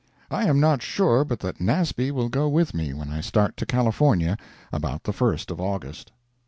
I am not sure but that Nasby will go with me when I start to California about the first of August.